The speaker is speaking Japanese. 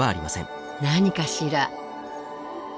何かしら？